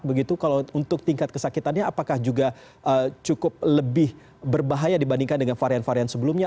begitu kalau untuk tingkat kesakitannya apakah juga cukup lebih berbahaya dibandingkan dengan varian varian sebelumnya